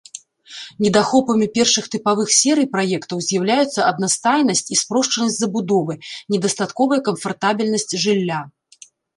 Недахопамі першых тыпавых серый праектаў з'яўляюцца аднастайнасць і спрошчанасць забудовы, недастатковая камфартабельнасць жылля.